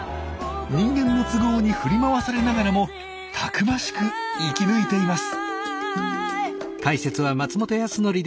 人間の都合に振り回されながらもたくましく生き抜いています。